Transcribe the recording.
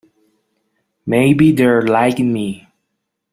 Maybe they're like me.